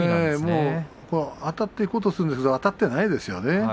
あたっていこうとするんですけれどもあたっていないですね。